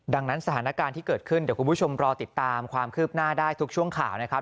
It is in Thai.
ดังนั้นสถานการณ์ที่เกิดขึ้นเดี๋ยวคุณผู้ชมรอติดตามความคืบหน้าได้ทุกช่วงข่าวนะครับ